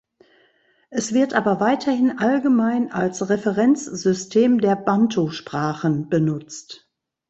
Es wird aber weiterhin allgemein als Referenzsystem der Bantusprachen benutzt.